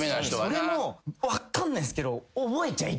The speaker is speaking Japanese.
それも分かんないっすけど。